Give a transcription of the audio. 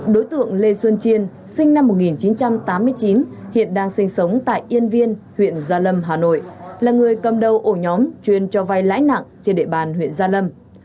đối tượng lê xuân chiên sinh năm một nghìn chín trăm tám mươi chín hiện đang sinh sống tại yên viên huyện gia lâm hà nội là người cầm đầu ổ nhóm chuyên cho vai lãi nặng trên địa bàn huyện gia lâm